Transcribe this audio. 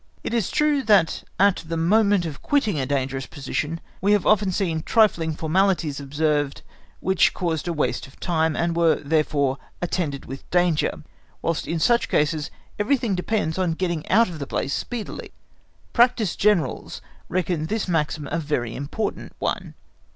It is true that at the moment of quitting a dangerous position we have often seen trifling formalities observed which caused a waste of time, and were, therefore, attended with danger, whilst in such cases everything depends on getting out of the place speedily. Practised Generals reckon this maxim a very important one.